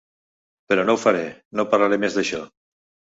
Però no ho faré, no parlaré més d’això.